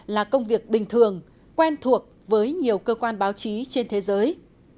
là công việc bình thường quen thuộc với nhiều cơ quan báo chí trên thế giới